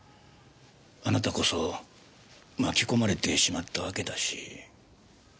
あなたこそ巻き込まれてしまったわけだし。